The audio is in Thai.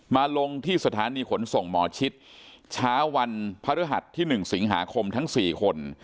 มาลงที่สถานีขนส่งหมอชิดเช้าวันพระฤหัสที่๑สิงหาคมทั้ง๔คน